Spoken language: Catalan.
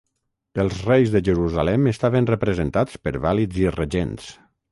Els reis de Jerusalem estaven representats per vàlids i regents.